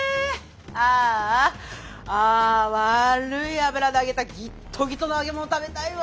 ああ悪い油で揚げたギトギトの揚げ物食べたいわ。